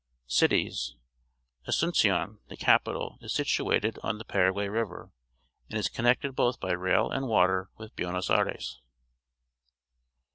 Cities. — Afiuricion, the capital, is .situated on the Paraguay River, and is connected both by rail and by water with Buenos Aires.